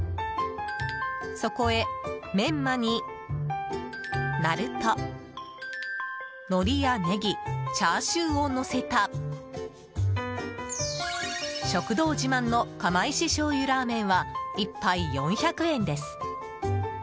そこへ、メンマに、なるとのりやネギチャーシューをのせた食堂自慢の釜石醤油ラーメンは１杯４００円です。